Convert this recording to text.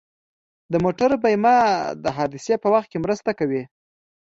د موټرو بیمه د حادثې په وخت مرسته کوي.